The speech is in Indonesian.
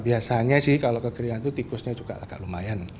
biasanya sih kalau kekeringan itu tikusnya juga agak lumayan